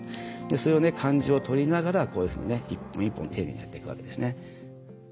それをね感じをとりながらこういうふうにね一本一本丁寧にやっていくわけですね。